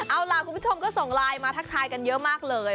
เอาล่ะคุณผู้ชมก็ส่งไลน์มาทักทายกันเยอะมากเลย